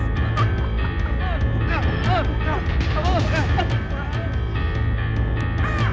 ambil pak ambil pak